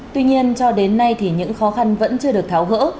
tuy nhiên cho đến nay thì những khó khăn vẫn chưa được tháo gỡ